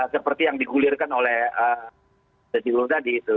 seperti yang digulirkan oleh dedy gul tadi itu